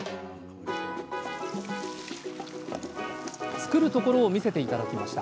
作るところを見せて頂きました。